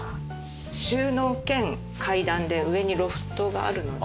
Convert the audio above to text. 収納兼階段で上にロフトがあるので。